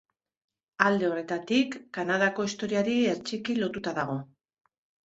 Alde horretatik, Kanadako historiari hertsiki lotuta dago.